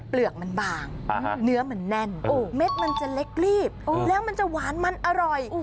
เปลือกมันบางเนื้อมันแน่นเม็ดมันจะเล็กรีบแล้วมันจะหวานมันอร่อย